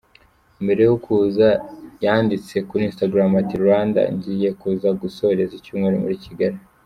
Mbere yo kuza yanditse kuri Instagram ati “Rwanda, ngiye kuza gusoreza icyumweru muri Kigali.